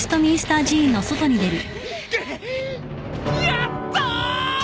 やった！